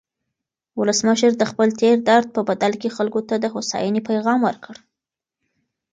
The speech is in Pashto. ولسمشر د خپل تېر درد په بدل کې خلکو ته د هوساینې پیغام ورکړ.